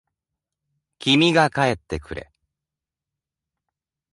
君が帰ってくれ。